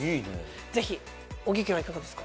ぜひ小木家はいかがですか？